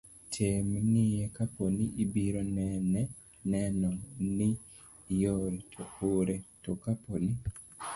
tem ng'iye kapo ni ibiro neno ni iore, to ore. to kapo ni